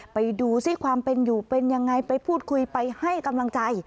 ไปดูซิความเป็นอยู่เป็นยังไงไปพูดคุยไปให้กำลังใจ